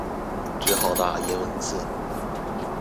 只好打顏文字